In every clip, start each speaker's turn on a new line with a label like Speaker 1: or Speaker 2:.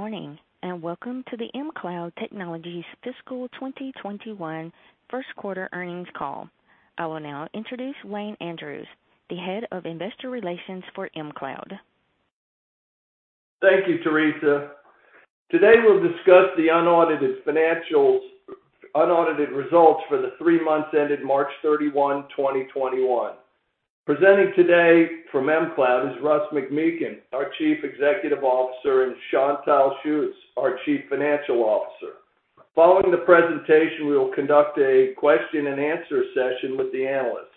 Speaker 1: Good morning, welcome to the mCloud Technologies Fiscal 2021 Q1 Earnings Call. I will now introduce Wayne Andrews, the head of investor relations for mCloud.
Speaker 2: Thank you, Teresa. Today, we'll discuss the unaudited results for the three months ended 31 March 2021. Presenting today from mCloud is Russ McMeekin, our Chief Executive Officer, and Chantal Schutz, our Chief Financial Officer. Following the presentation, we will conduct a question-and-answer session with the analysts.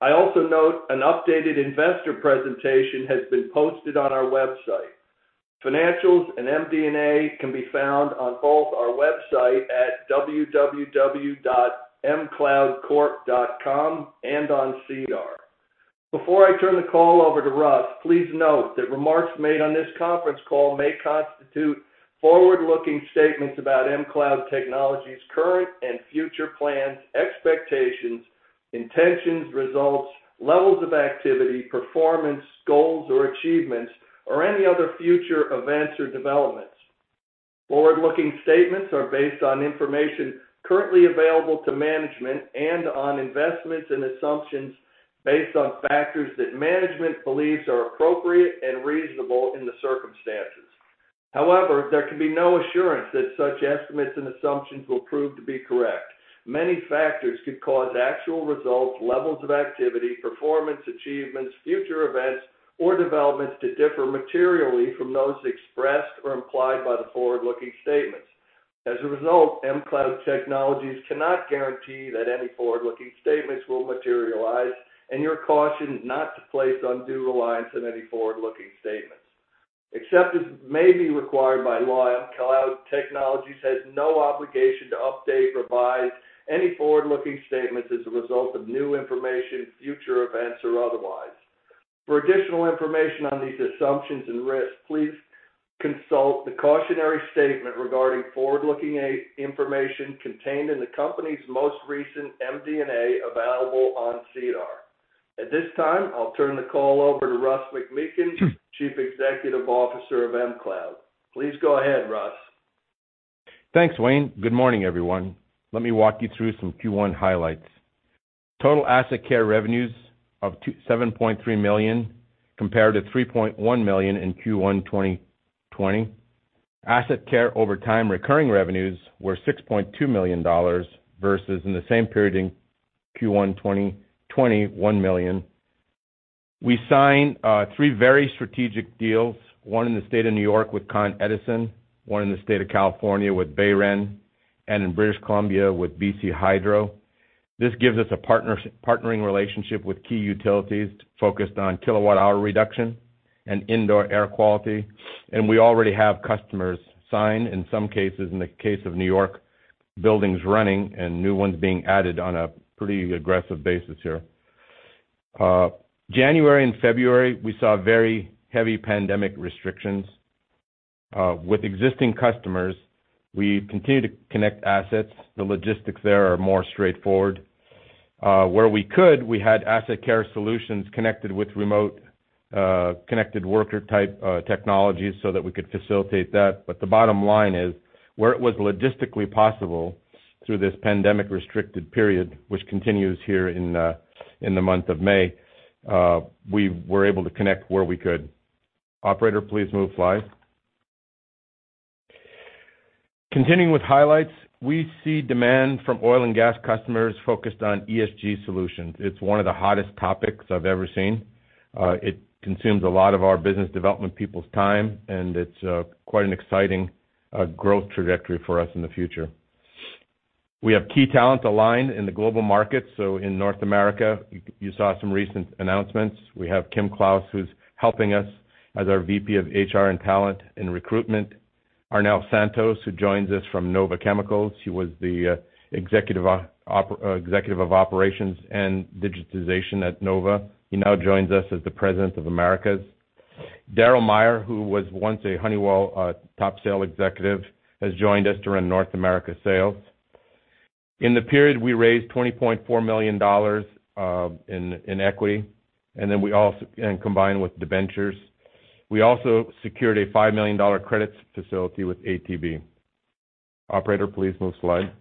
Speaker 2: I also note an updated investor presentation has been posted on our website. Financials and MD&A can be found on both our website at www.mcloudcorp.com and on SEDAR. Before I turn the call over to Russ, please note that remarks made on this conference call may constitute forward-looking statements about mCloud Technologies' current and future plans, expectations, intentions, results, levels of activity, performance, goals or achievements or any other future events or developments. Forward-looking statements are based on information currently available to management and on investments and assumptions based on factors that management believes are appropriate and reasonable in the circumstances. However, there can be no assurance that such estimates and assumptions will prove to be correct. Many factors could cause actual results, levels of activity, performance, achievements, future events or developments to differ materially from those expressed or implied by the forward-looking statements. As a result, mCloud Technologies cannot guarantee that any forward-looking statements will materialize, and you are cautioned not to place undue reliance on any forward-looking statements. Except as may be required by law, mCloud Technologies has no obligation to update or revise any forward-looking statements as a result of new information, future events or otherwise. For additional information on these assumptions and risks, please consult the cautionary statement regarding forward-looking information contained in the company's most recent MD&A available on SEDAR. At this time, I'll turn the call over to Russ McMeekin, chief executive officer of mCloud. Please go ahead, Russ.
Speaker 3: Thanks, Wayne. Good morning, everyone. Let me walk you through some Q1 highlights. Total AssetCare revenues of 7.3 million, compared to 3.1 million in Q1 2020. AssetCare over time recurring revenues were 6.2 million dollars versus in the same period in Q1 2020, 1 million. We signed three very strategic deals, one in the state of N.Y. with Con Edison, one in the state of California with BayREN, and in British Columbia with BC Hydro. This gives us a partnering relationship with key utilities focused on kilowatt-hour reduction and indoor air quality. We already have customers signed, in some cases, in the case of N.Y., buildings running and new ones being added on a pretty aggressive basis here. January and February, we saw very heavy pandemic restrictions. With existing customers, we continue to connect assets. The logistics there are more straightforward. Where we could, we had AssetCare solutions connected with remote, connected worker type technologies so that we could facilitate that. The bottom line is, where it was logistically possible through this pandemic-restricted period, which continues here in the month of May, we were able to connect where we could. Operator, please move slide. Continuing with highlights, we see demand from oil and gas customers focused on ESG solutions. It's one of the hottest topics I've ever seen. It consumes a lot of our business development people's time, and it's quite an exciting growth trajectory for us in the future. We have key talent aligned in the global market. In North America, you saw some recent announcements. We have Kim Claus, who's helping us as our VP of HR and talent and recruitment. Arnel Santos, who joins us from NOVA Chemicals. He was the executive of operations and digitization at NOVA. He now joins us as the President of Americas. Darryl Meyer, who was once a Honeywell top sale executive, has joined us to run North America sales. In the period, we raised 20.4 million dollars in equity, and combined with debentures. We also secured a 5 million dollar credits facility with ATB. Operator, please move slide.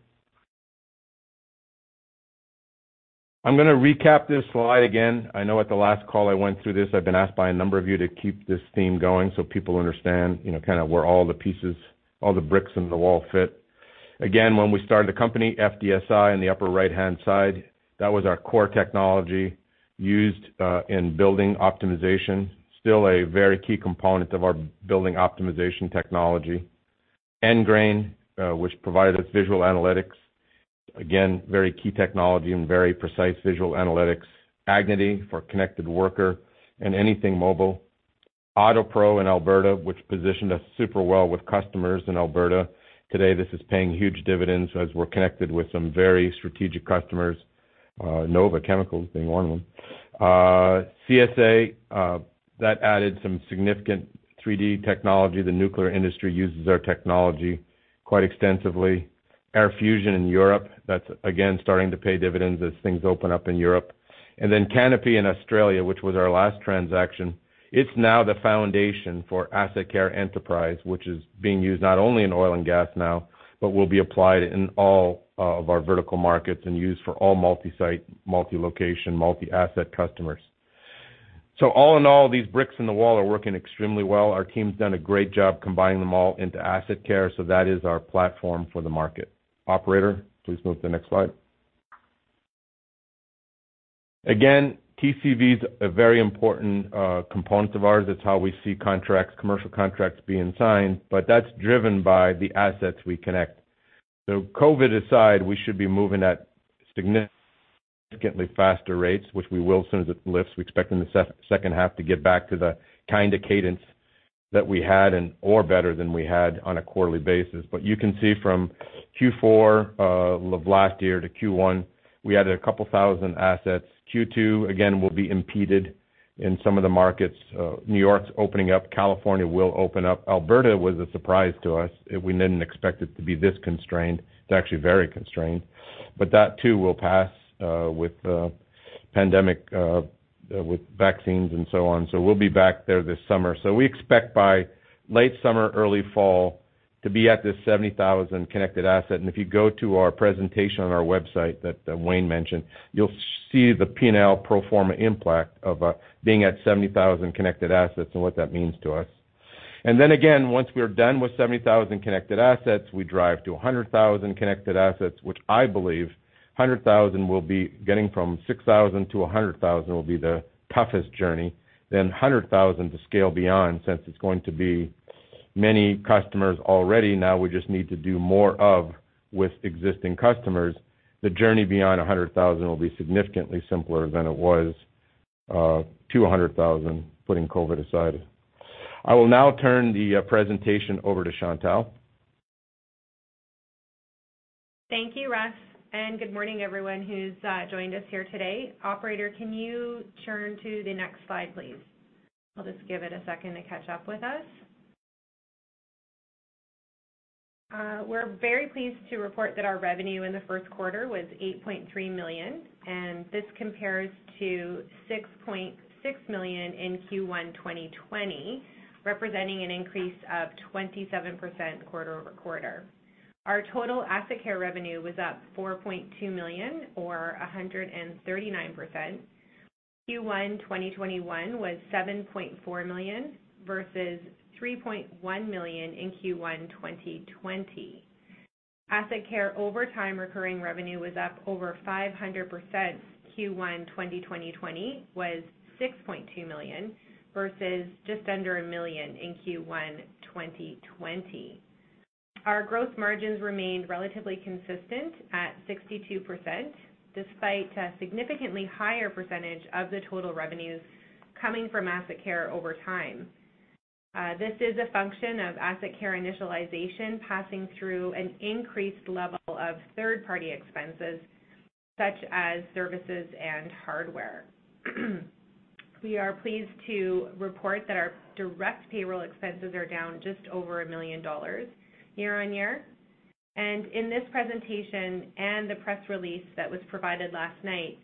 Speaker 3: I'm gonna recap this slide again. I know at the last call I went through this. I've been asked by a number of you to keep this theme going so people understand, you know, kinda where all the pieces, all the bricks in the wall fit. When we started the company, FDSI in the upper right-hand side, that was our core technology used in building optimization, still a very key component of our building optimization technology. NGRAIN, which provided us visual analytics, again, very key technology and very precise visual analytics. Agnity for connected worker and anything mobile. Autopro in Alberta, which positioned us super well with customers in Alberta. Today, this is paying huge dividends as we're connected with some very strategic customers, NOVA Chemicals being one of them. CSA, that added some significant 3D technology. The nuclear industry uses our technology quite extensively. AirFusion in Europe, that's again starting to pay dividends as things open up in Europe. Kanopi in Australia, which was our last transaction, it's now the foundation for AssetCare Enterprise, which is being used not only in oil and gas now, but will be applied in all of our vertical markets and used for all multi-site, multi-location, multi-asset customers. All in all, these bricks in the wall are working extremely well. Our team's done a great job combining them all into AssetCare, so that is our platform for the market. Operator, please move to the next slide. TCV is a very important component of ours. It's how we see contracts, commercial contracts being signed, but that's driven by the assets we connect. COVID aside, we should be moving at significantly faster rates, which we will as soon as it lifts. We expect in the H2 to get back to the kind of cadence that we had or better than we had on a quarterly basis. You can see from Q4 of last year to Q1, we added 2,000 assets. Q2, again, will be impeded in some of the markets. N.Y.'s opening up, California will open up. Alberta was a surprise to us. We didn't expect it to be this constrained. It's actually very constrained. That too will pass with the pandemic, with vaccines and so on. We'll be back there this summer. We expect by late summer, early fall to be at this 70,000 connected asset. If you go to our presentation on our website that Wayne mentioned, you'll see the P&L pro forma impact of being at 70,000 connected assets and what that means to us. Then again, once we're done with 70,000 connected assets, we drive to 100,000 connected assets, which I believe 100,000 will be getting from 6,000 to 100,000 will be the toughest journey. Then 100,000 to scale beyond, since it's going to be many customers already. Now we just need to do more of with existing customers. The journey beyond 100,000 will be significantly simpler than it was to 100,000, putting COVID aside. I will now turn the presentation over to Chantal.
Speaker 4: Thank you, Russ, good morning, everyone who's joined us here today. Operator, can you turn to the next slide, please? I'll just give it a second to catch up with us. We're very pleased to report that our revenue in the 1st quarter was 8.3 million, and this compares to 6.6 million in Q1 2020, representing an increase of 27% quarter-over-quarter. Our total AssetCare revenue was up 4.2 million or 139%. Q1 2021 was 7.4 million versus 3.1 million in Q1 2020. AssetCare overtime recurring revenue was up over 500%. Q1 2020 was 6.2 million versus just under 1 million in Q1 2020. Our gross margins remained relatively consistent at 62%, despite a significantly higher percentage of the total revenues coming from AssetCare over time. This is a function of AssetCare initialization passing through an increased level of third-party expenses such as services and hardware. We are pleased to report that our direct payroll expenses are down just over 1 million dollars year-on-year. In this presentation and the press release that was provided last night,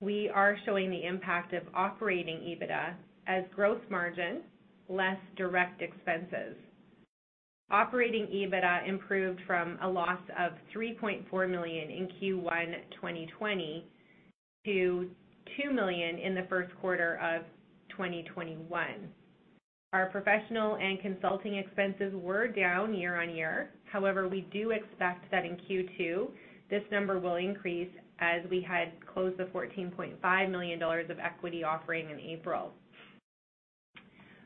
Speaker 4: we are showing the impact of operating EBITDA as gross margin less direct expenses. Operating EBITDA improved from a loss of 3.4 million in Q1 2020 to 2 million in the Q1 of 2021. Our professional and consulting expenses were down year-on-year. However, we do expect that in Q2, this number will increase as we had closed the 14.5 million dollars of equity offering in April.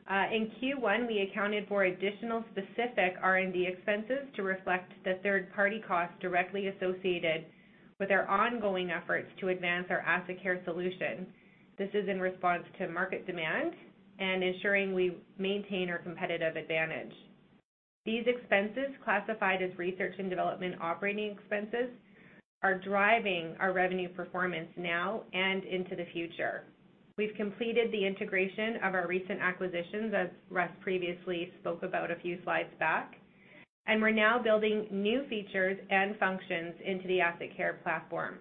Speaker 4: In Q1, we accounted for additional specific R&D expenses to reflect the third-party cost directly associated with our ongoing efforts to advance our AssetCare solution. This is in response to market demand and ensuring we maintain our competitive advantage. These expenses, classified as research and development operating expenses, are driving our revenue performance now and into the future. We've completed the integration of our recent acquisitions, as Russ previously spoke about a few slides back, and we're now building new features and functions into the AssetCare platform.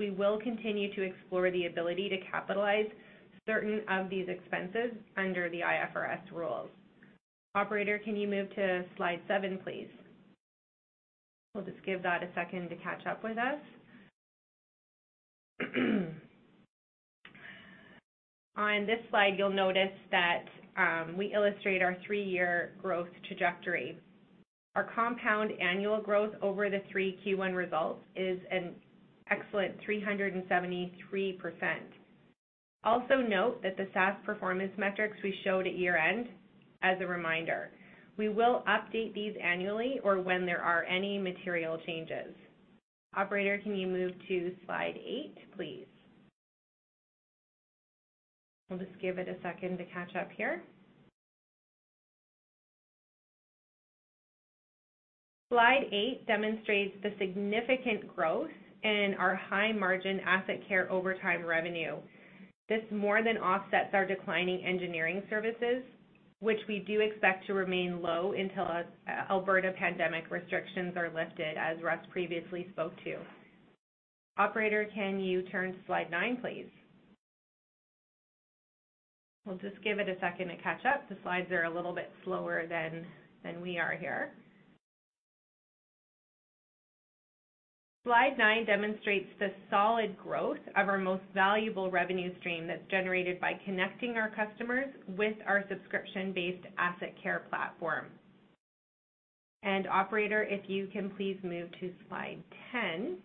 Speaker 4: We will continue to explore the ability to capitalize certain of these expenses under the IFRS rules. Operator, can you move to slide 7, please? We'll just give that a second to catch up with us. On this slide, you'll notice that we illustrate our three-year growth trajectory. Our compound annual growth over the 3 Q1 results is an excellent 373%. Note that the SaaS performance metrics we showed at year-end, as a reminder, we will update these annually or when there are any material changes. Operator, can you move to slide eight, please? We'll just give it a second to catch up here. Slide eight demonstrates the significant growth in our high-margin AssetCare overtime revenue. This more than offsets our declining engineering services, which we do expect to remain low until Alberta pandemic restrictions are lifted, as Russ previously spoke to. Operator, can you turn to slide nine, please? We'll just give it a second to catch up. The slides are a little bit slower than we are here. Slide nine demonstrates the solid growth of our most valuable revenue stream that's generated by connecting our customers with our subscription-based AssetCare platform. Operator, if you can please move to slide 10.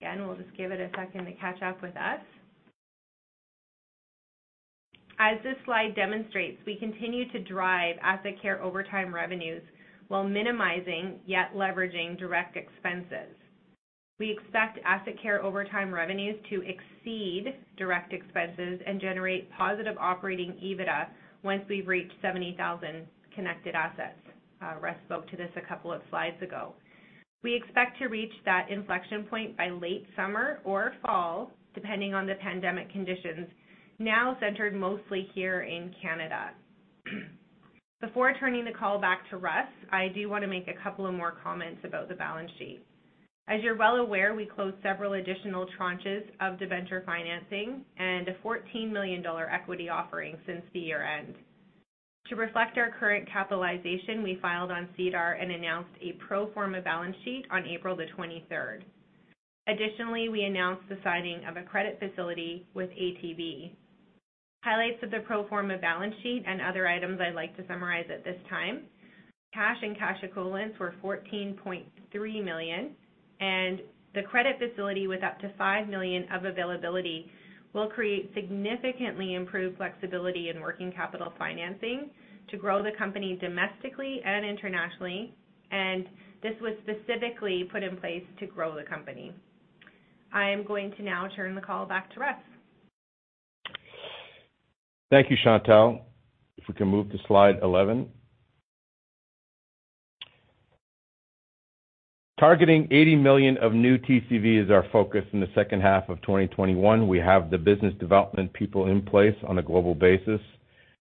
Speaker 4: Again, we'll just give it a second to catch up with us. As this slide demonstrates, we continue to drive AssetCare overtime revenues while minimizing, yet leveraging direct expenses. We expect AssetCare overtime revenues to exceed direct expenses and generate positive operating EBITDA once we've reached 70,000 connected assets. Russ spoke to this a couple of slides ago. We expect to reach that inflection point by late summer or fall, depending on the pandemic conditions now centered mostly here in Canada. Before turning the call back to Russ, I do wanna make a couple of more comments about the balance sheet. As you're well aware, we closed several additional tranches of debenture financing and a 14 million dollar equity offering since the year-end. To reflect our current capitalization, we filed on SEDAR and announced a pro forma balance sheet on April the 23rd. We announced the signing of a credit facility with ATB. Highlights of the pro forma balance sheet and other items I'd like to summarize at this time. Cash and cash equivalents were 14.3 million, and the credit facility with up to 5 million of availability will create significantly improved flexibility in working capital financing to grow the company domestically and internationally, and this was specifically put in place to grow the company. I am going to now turn the call back to Russ.
Speaker 3: Thank you, Chantal. If we can move to slide 11. Targeting 80 million of new TCV is our focus in the H2 of 2021. We have the business development people in place on a global basis.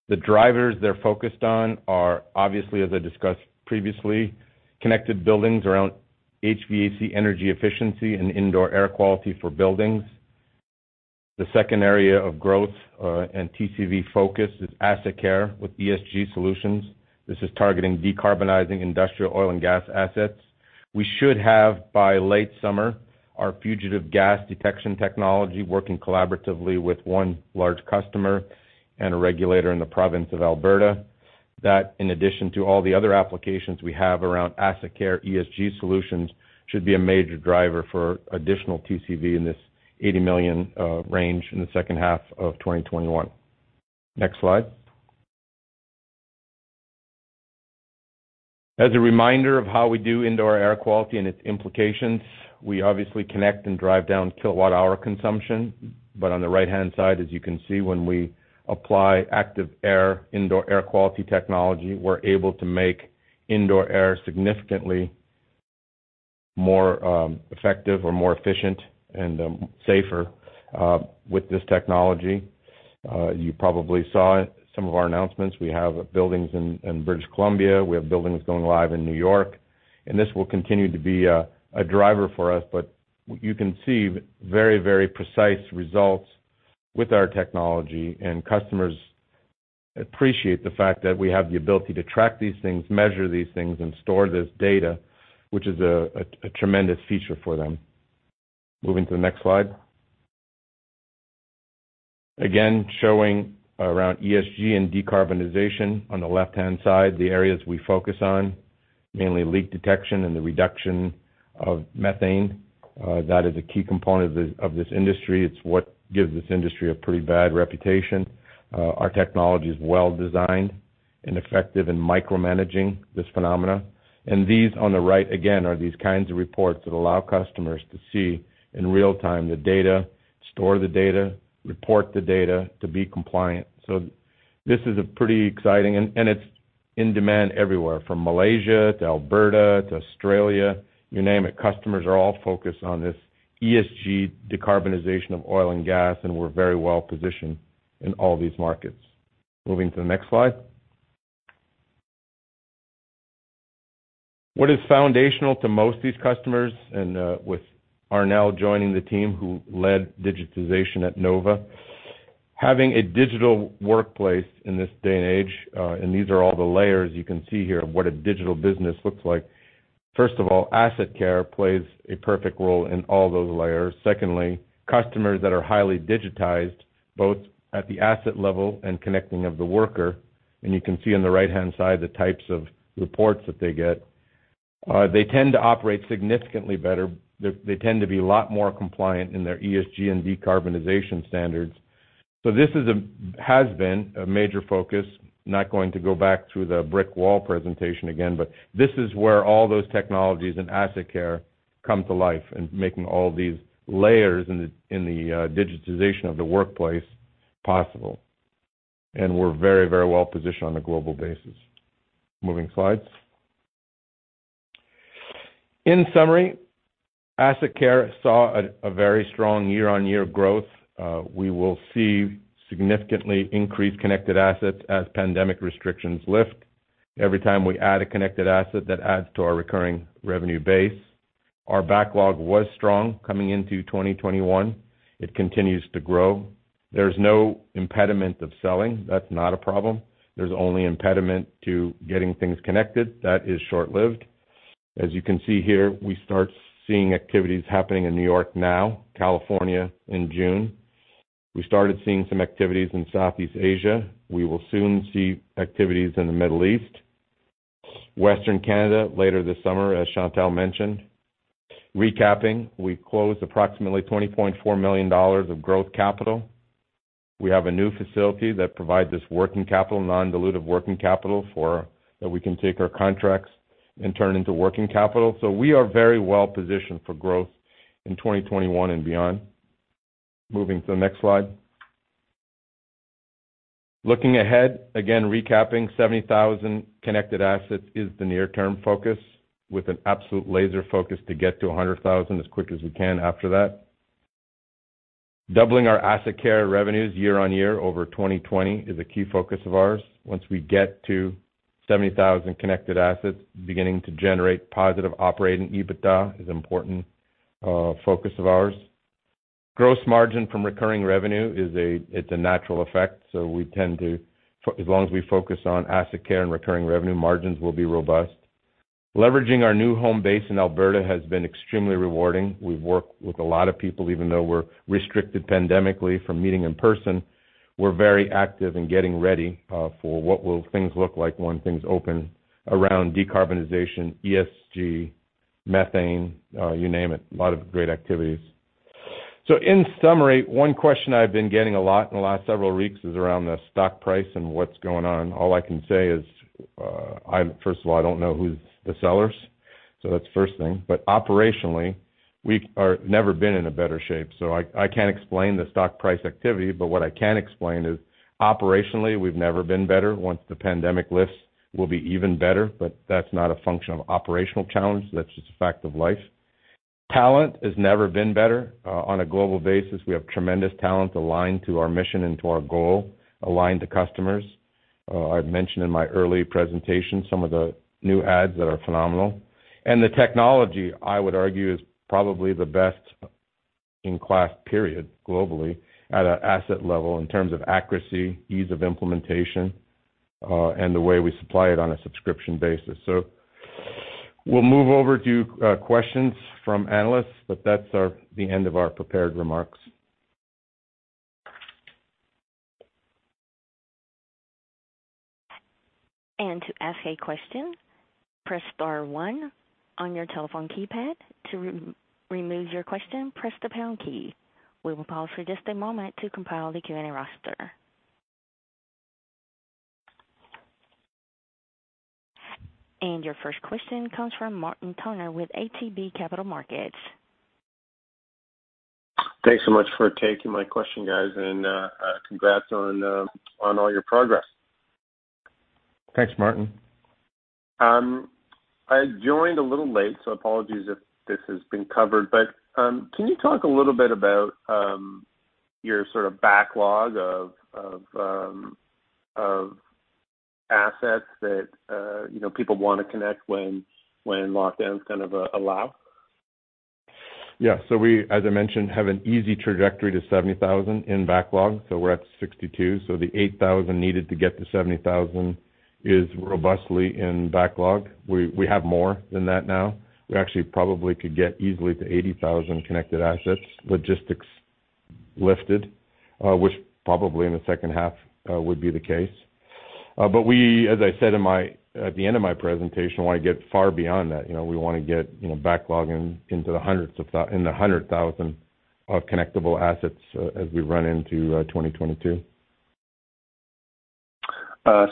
Speaker 3: The drivers they're focused on are obviously, as I discussed previously, connected buildings around HVAC energy efficiency and indoor air quality for buildings. The second area of growth, and TCV focus is AssetCare with ESG solutions. This is targeting decarbonizing industrial oil and gas assets. We should have by late summer our fugitive gas detection technology working collaboratively with one large customer and a regulator in the province of Alberta. That, in addition to all the other applications we have around AssetCare ESG solutions, should be a major driver for additional TCV in this 80 million range in the H2 of 2021. Next slide. As a reminder of how we do indoor air quality and its implications, we obviously connect and drive down kilowatt hour consumption. On the right-hand side, as you can see, when we apply active air indoor air quality technology, we're able to make indoor air significantly more effective or more efficient and safer with this technology. You probably saw some of our announcements. We have buildings in British Columbia. We have buildings going live in New York. This will continue to be a driver for us, but you can see very precise results with our technology. Customers appreciate the fact that we have the ability to track these things, measure these things, and store this data, which is a tremendous feature for them. Moving to the next slide. Showing around ESG and decarbonization on the left-hand side, the areas we focus on, mainly leak detection and the reduction of methane. That is a key component of this industry. It's what gives this industry a pretty bad reputation. Our technology is well designed and effective in micromanaging this phenomenon. These on the right, again, are these kinds of reports that allow customers to see in real time the data, store the data, report the data to be compliant. This is pretty exciting and it's in demand everywhere from Malaysia to Alberta to Australia, you name it. Customers are all focused on this ESG decarbonization of oil and gas, and we're very well positioned in all these markets. Moving to the next slide. What is foundational to most of these customers and, with Arnel joining the team who led digitization at Nova, having a digital workplace in this day and age, and these are all the layers you can see here of what a digital business looks like. First of all, AssetCare plays a perfect role in all those layers. Secondly, customers that are highly digitized, both at the asset level and connecting of the worker, and you can see on the right-hand side the types of reports that they get, they tend to operate significantly better. They tend to be a lot more compliant in their ESG and decarbonization standards. This has been a major focus. Not going to go back to the brick wall presentation again. This is where all those technologies in AssetCare come to life in making all these layers in the digitization of the workplace possible. We're very well positioned on a global basis. Moving slides. In summary, AssetCare saw a very strong year-on-year growth. We will see significantly increased connected assets as pandemic restrictions lift. Every time we add a connected asset, that adds to our recurring revenue base. Our backlog was strong coming into 2021. It continues to grow. There's no impediment of selling. That's not a problem. There's only impediment to getting things connected. That is short-lived. As you can see here, we start seeing activities happening in New York now, California in June. We started seeing some activities in Southeast Asia. We will soon see activities in the Middle East, Western Canada later this summer, as Chantal mentioned. Recapping, we closed approximately 20.4 million dollars of growth capital. We have a new facility that provide this working capital, non-dilutive working capital that we can take our contracts and turn into working capital. We are very well-positioned for growth in 2021 and beyond. Moving to the next slide. Looking ahead, again, recapping 70,000 connected assets is the near-term focus, with an absolute laser focus to get to 100,000 as quick as we can after that. Doubling our AssetCare revenues year-on-year over 2020 is a key focus of ours. Once we get to 70,000 connected assets, beginning to generate positive operating EBITDA is an important focus of ours. Gross margin from recurring revenue is it's a natural effect, so we tend to as long as we focus on AssetCare and recurring revenue, margins will be robust. Leveraging our new home base in Alberta has been extremely rewarding. We've worked with a lot of people, even though we're restricted pandemically from meeting in person. We're very active in getting ready for what will things look like when things open around decarbonization, ESG, methane, you name it. A lot of great activities. In summary, one question I've been getting a lot in the last several weeks is around the stock price and what's going on. All I can say is, first of all, I don't know who's the sellers, so that's the first thing. Operationally, we are never been in a better shape. I can't explain the stock price activity, but what I can explain is operationally, we've never been better. Once the pandemic lifts, we'll be even better, but that's not a function of operational challenge. That's just a fact of life. Talent has never been better. On a global basis, we have tremendous talent aligned to our mission and to our goal, aligned to customers. I've mentioned in my early presentation some of the new adds that are phenomenal. The technology, I would argue, is probably the best in class period, globally, at an asset level in terms of accuracy, ease of implementation, and the way we supply it on a subscription basis. We'll move over to questions from analysts, but that's the end of our prepared remarks.
Speaker 1: To ask a question, press star one on your telephone keypad. To remove your question, press the pound key. We will pause for just a moment to compile the Q&A roster. Your first question comes from Martin Toner with ATB Capital Markets.
Speaker 5: Thanks so much for taking my question, guys. Congrats on all your progress.
Speaker 3: Thanks, Martin.
Speaker 5: I joined a little late, so apologies if this has been covered, but, can you talk a little bit about, your sort of backlog of assets that, you know, people wanna connect when lockdowns kind of, allow?
Speaker 3: Yeah. We, as I mentioned, have an easy trajectory to 70,000 in backlog, so we're at 62. The 8,000 needed to get to 70,000 is robustly in backlog. We have more than that now. We actually probably could get easily to 80,000 connected assets, logistics lifted, which probably in the H2 would be the case. We, as I said at the end of my presentation, wanna get far beyond that. You know, we wanna get, you know, backlog into the 100,000 of connectable assets as we run into 2022.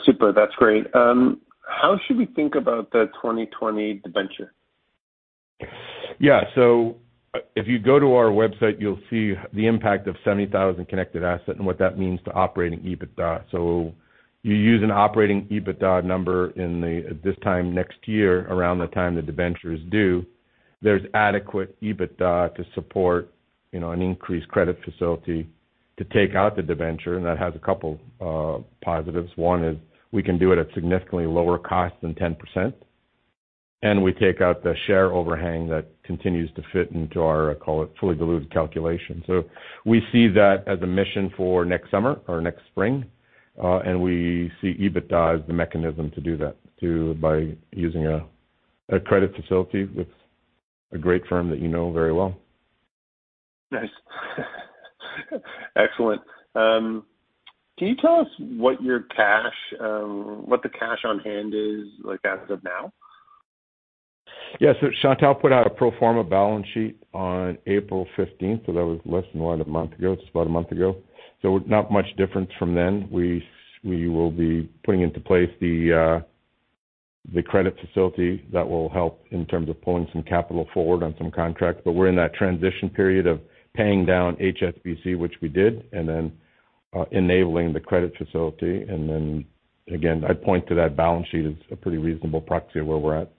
Speaker 5: Super. That's great. How should we think about the 2020 debenture?
Speaker 3: Yeah. If you go to our website, you'll see the impact of 70,000 connected asset and what that means to operating EBITDA. You use an operating EBITDA number at this time next year, around the time the debenture is due. There's adequate EBITDA to support, you know, an increased credit facility to take out the debenture, and that has a couple positives. One is we can do it at significantly lower cost than 10%, and we take out the share overhang that continues to fit into our, call it, fully diluted calculation. We see that as a mission for next summer or next spring, and we see EBITDA as the mechanism to do that through by using a credit facility with a great firm that you know very well.
Speaker 5: Nice. Excellent. Can you tell us what your cash, what the cash on hand is like as of now?
Speaker 3: Yeah. Chantal put out a pro forma balance sheet on 15 April, so that was less than, what, a month ago. It's about a month ago. We will be putting into place the credit facility that will help in terms of pulling some capital forward on some contracts. We're in that transition period of paying down HSBC, which we did, and then enabling the credit facility, and then again, I'd point to that balance sheet as a pretty reasonable proxy of where we're at.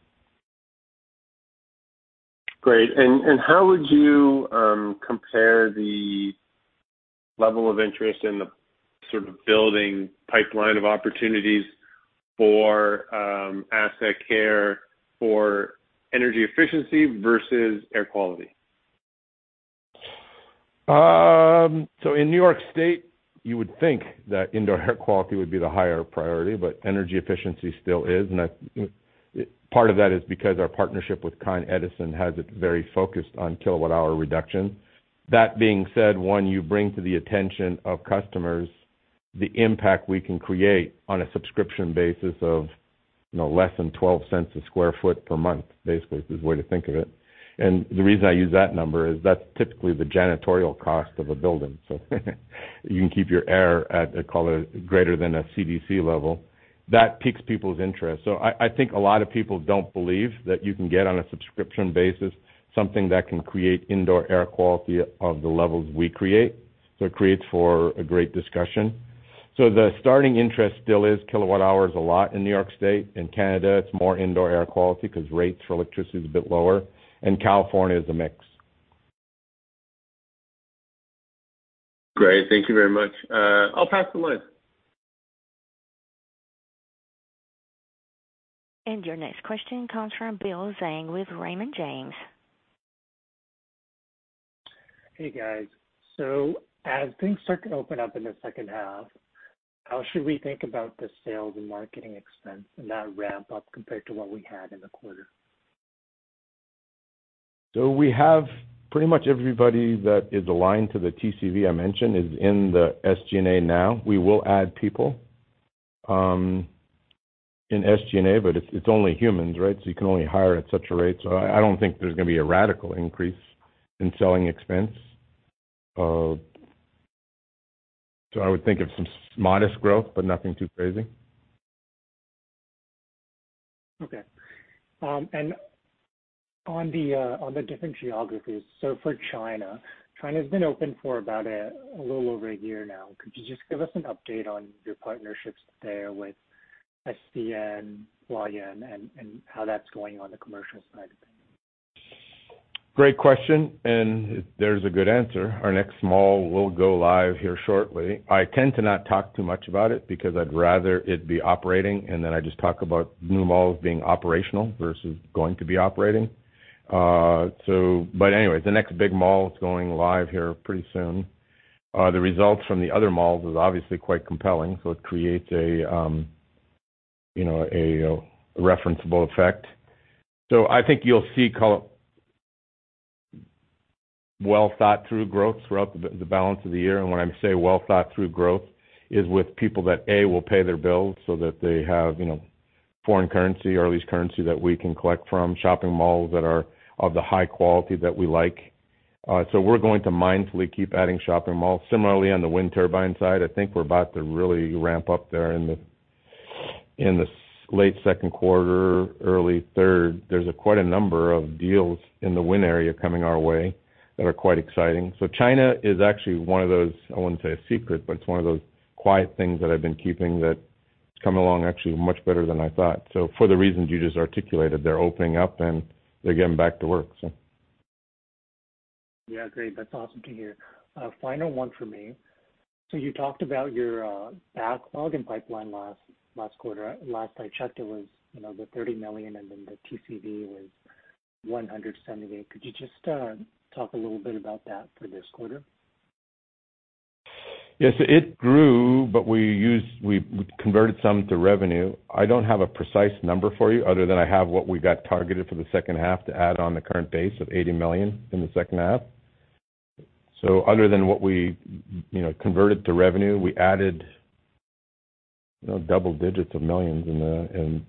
Speaker 5: Great. How would you compare the level of interest in the sort of building pipeline of opportunities for AssetCare for energy efficiency versus air quality?
Speaker 3: In New York State, you would think that indoor air quality would be the higher priority, but energy efficiency still is. Part of that is because our partnership with Con Edison has it very focused on kilowatt hour reduction. That being said, when you bring to the attention of customers the impact we can create on a subscription basis of, you know, less than 0.12 a sq ft per month, basically is the way to think of it. The reason I use that number is that's typically the janitorial cost of a building. You can keep your air at, call it, greater than a CDC level. That piques people's interest. I think a lot of people don't believe that you can get on a subscription basis, something that can create indoor air quality of the levels we create. It creates for a great discussion. The starting interest still is kilowatt hours a lot in N.Y. State. In Canada, it's more indoor air quality 'cause rates for electricity is a bit lower, and California is a mix.
Speaker 5: Great. Thank you very much. I'll pass the line.
Speaker 1: Your next question comes from Bill Zhang with Raymond James.
Speaker 6: Hey, guys. As things start to open up in the H2, how should we think about the sales and marketing expense and that ramp up compared to what we had in the quarter?
Speaker 3: We have pretty much everybody that is aligned to the TCV I mentioned is in the SG&A now. We will add people in SG&A, but it's only humans, right? You can only hire at such a rate. I don't think there's gonna be a radical increase in selling expense. I would think of some modest growth, but nothing too crazy.
Speaker 6: Okay. On the different geographies, for China's been open for about a little over a year now. Could you just give us an update on your partnerships there with SCN, Huayan, and how that's going on the commercial side of it?
Speaker 3: Great question, and there's a good answer. Our next mall will go live here shortly. I tend to not talk too much about it because I'd rather it be operating, and then I just talk about new malls being operational versus going to be operating. Anyways, the next big mall is going live here pretty soon. The results from the other malls is obviously quite compelling, so it creates a, you know, a referenceable effect. I think you'll see call it well-thought-through growth throughout the balance of the year. When I say well-thought-through growth is with people that, A, will pay their bills so that they have, you know, foreign currency or at least currency that we can collect from, shopping malls that are of the high quality that we like. We're going to mindfully keep adding shopping malls. Similarly, on the wind turbine side, I think we're about to really ramp up there in the late Q2, early third. There's a quite a number of deals in the wind area coming our way that are quite exciting. China is actually one of those, I wouldn't say a secret, but it's one of those quiet things that I've been keeping that it's coming along actually much better than I thought. For the reasons you just articulated, they're opening up, and they're getting back to work, so.
Speaker 6: Yeah, great. That's awesome to hear. Final one for me. You talked about your backlog and pipeline last quarter. Last I checked, it was, you know, the 30 million, and then the TCV was 178. Could you just talk a little bit about that for this quarter?
Speaker 3: Yes. It grew, we converted some to revenue. I don't have a precise number for you other than I have what we got targeted for the H2 to add on the current base of 80 million in the H2. Other than what we, you know, converted to revenue, we added, you know, double digits of millions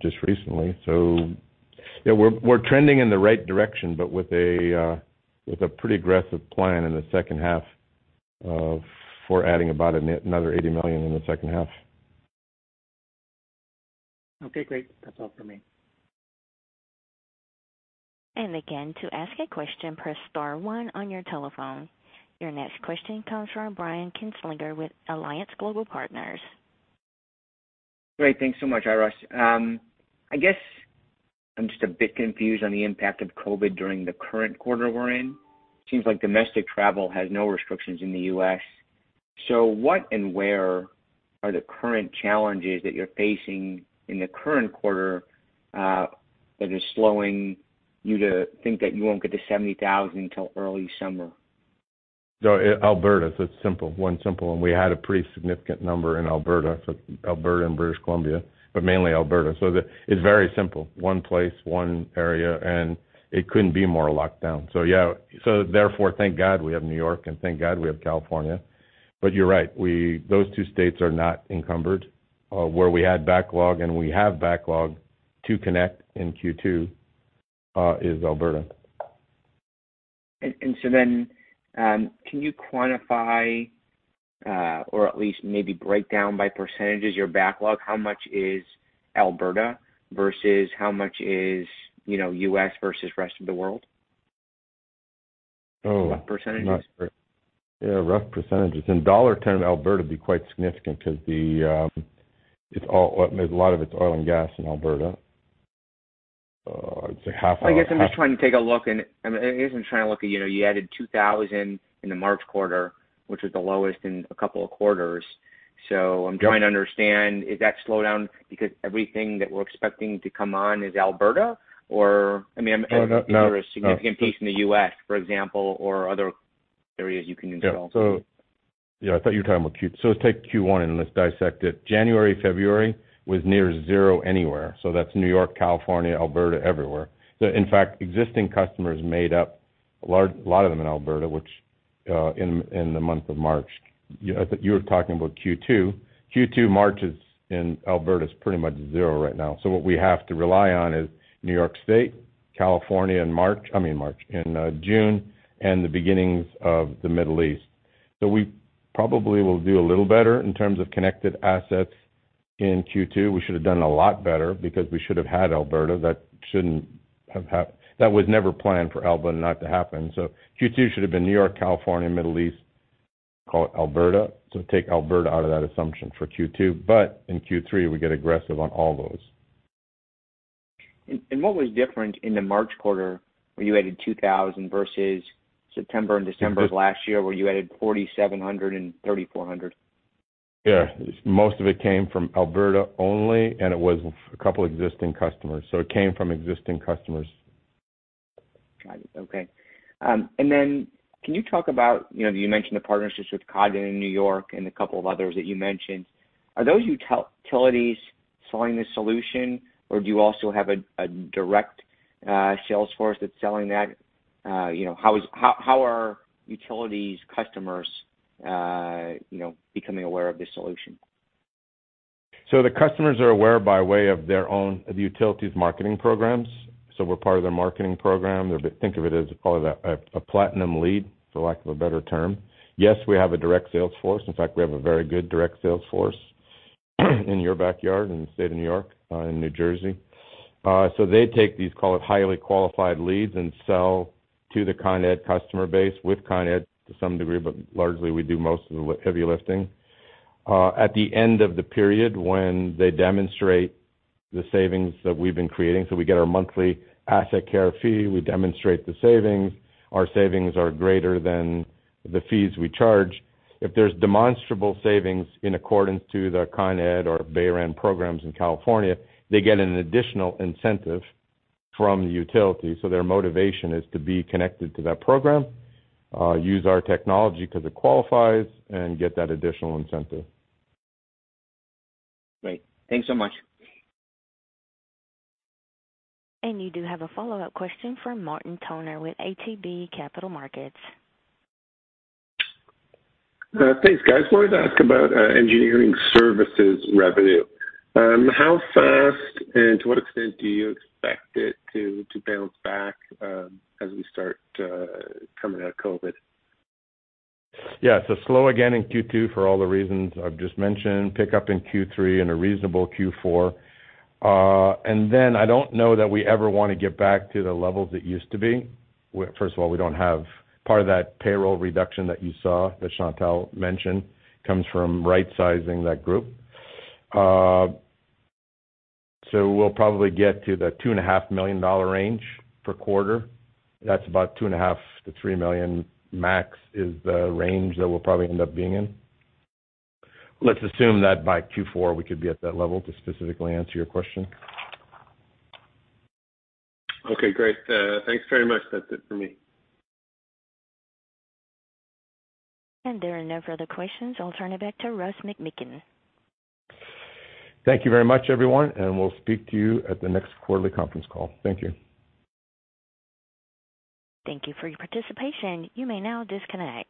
Speaker 3: just recently. Yeah, we're trending in the right direction, but with a pretty aggressive plan in the H2 for adding about another 80 million in the H2.
Speaker 6: Okay, great. That's all for me.
Speaker 1: Again, to ask a question, press star one on your telephone. Your next question comes from Brian Kinstlinger with Alliance Global Partners.
Speaker 7: Great. Thanks so much, Hi Russ. I guess I'm just a bit confused on the impact of COVID during the current quarter we're in. Seems like domestic travel has no restrictions in the U.S. What and where are the current challenges that you're facing in the current quarter, that is slowing you to think that you won't get to 70,000 till early summer?
Speaker 3: Alberta, it's simple. One simple one. We had a pretty significant number in Alberta. Alberta and British Columbia, but mainly Alberta. It's very simple. One place, one area, and it couldn't be more locked down. Yeah, therefore, thank God we have New York, and thank God we have California. You're right, those two states are not encumbered. Where we had backlog and we have backlog to connect in Q2 is Alberta.
Speaker 7: Can you quantify, or at least maybe break down by percantage your backlog? How much is Alberta versus how much is, you know, U.S. versus rest of the world?
Speaker 3: Oh, not sure. Yeah, rough percentage. In CAD term, Alberta would be quite significant because a lot of it's oil and gas in Alberta. I'd say half our-
Speaker 7: I guess I'm just trying to take a look and, I mean, I guess I'm trying to look at, you know, you added 2,000 in the March quarter, which was the lowest in a couple of quarters. I'm trying to understand, is that slowdown because everything that we're expecting to come on is Alberta?
Speaker 3: No, no.
Speaker 7: Is there a significant piece in the U.S., for example, or other areas you can install?
Speaker 3: I thought you were talking about Q1. Let's take Q1 and let's dissect it. January, February was near zero anywhere, that's New York, California, Alberta, everywhere. In fact, existing customers made up a lot of them in Alberta, which in the month of March. I thought you were talking about Q2. Q2 March is in Alberta is pretty much zero right now. What we have to rely on is New York State, California in June, and the beginnings of the Middle East. We probably will do a little better in terms of connected assets in Q2. We should have done a lot better because we should have had Alberta. That shouldn't have happened. That was never planned for Alberta not to happen. Q2 should have been New York, California, Middle East, call it Alberta. Take Alberta out of that assumption for Q2. In Q3, we get aggressive on all those.
Speaker 7: What was different in the March quarter when you added 2,000 versus September and December of last year where you added 4,700 and 3,400?
Speaker 3: Yeah. Most of it came from Alberta only. It was a couple of existing customers. It came from existing customers.
Speaker 7: Got it. Okay. Then can you talk about, you know, you mentioned the partnerships with Con Ed in New York and a couple of others that you mentioned. Are those utilities selling the solution, or do you also have a direct sales force that's selling that? You know, how are utilities customers, you know, becoming aware of this solution?
Speaker 3: The customers are aware by way of their own, the utilities marketing programs. We're part of their marketing program. They think of it as probably a platinum lead, for lack of a better term. Yes, we have a direct sales force. In fact, we have a very good direct sales force in your backyard, in the state of New York, in New Jersey. They take these, call it, highly qualified leads and sell to the Con Ed customer base with Con Ed to some degree, but largely we do most of the heavy lifting. At the end of the period, when they demonstrate the savings that we've been creating, we get our monthly AssetCare fee, we demonstrate the savings. Our savings are greater than the fees we charge. If there's demonstrable savings in accordance to the Con Ed or BayREN programs in California, they get an additional incentive from the utility. Their motivation is to be connected to that program, use our technology because it qualifies and get that additional incentive.
Speaker 7: Great. Thanks so much.
Speaker 1: You do have a follow-up question from Martin Toner with ATB Capital Markets.
Speaker 5: Thanks, guys. Wanted to ask about engineering services revenue. How fast and to what extent do you expect it to bounce back, as we start coming out of COVID?
Speaker 3: Slow again in Q2 for all the reasons I've just mentioned. Pick up in Q3 and a reasonable Q4. I don't know that we ever want to get back to the levels it used to be. First of all, we don't have part of that payroll reduction that you saw, that Chantal mentioned, comes from right sizing that group. We'll probably get to the two and a half million dollar range per quarter. That's about two and a half million to 3 million max is the range that we'll probably end up being in. Let's assume that by Q4, we could be at that level to specifically answer your question.
Speaker 5: Okay, great. Thanks very much. That's it for me.
Speaker 1: There are no further questions. I'll turn it back to Russ McMeekin.
Speaker 3: Thank you very much, everyone, and we'll speak to you at the next quarterly conference call. Thank you.
Speaker 1: Thank you for your participation. You may now disconnect.